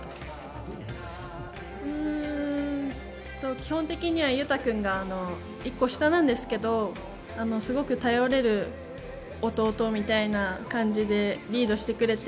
基本的には勇大君が１個下なんですけどすごく頼れる弟みたいな感じでリードしてくれて。